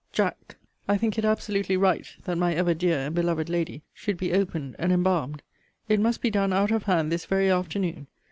JACK, I think it absolutely right that my ever dear and beloved lady should be opened and embalmed. It must be done out of hand this very afternoon.